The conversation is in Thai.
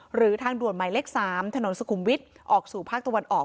หรือทางด่วนหมายเลข๓ถนนสุขุมวิทย์ออกสู่ภาคตะวันออก